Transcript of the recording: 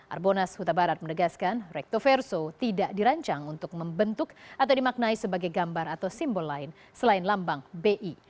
arbonas huta barat menegaskan rectoverso tidak dirancang untuk membentuk atau dimaknai sebagai gambar atau simbol lain selain lambang bi